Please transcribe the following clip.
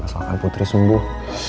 asalkan putri sembuh